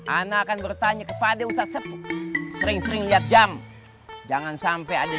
anak kan bertanya kepada usah sepuk sering sering lihat jam jangan sampai ada